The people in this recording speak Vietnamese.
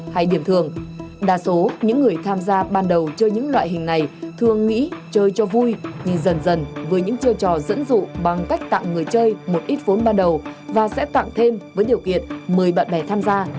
hay điểm thường đa số những người tham gia ban đầu chơi những loại hình này thường nghĩ chơi cho vui nhưng dần dần với những chiêu trò dẫn dụ bằng cách tặng người chơi một ít vốn ban đầu và sẽ tặng thêm với điều kiện mời bạn bè tham gia